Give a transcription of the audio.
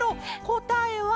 こたえは。